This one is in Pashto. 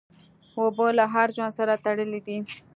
اوبه له هر ژوند سره تړلي دي.